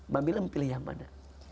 mbak mila memilih yang mana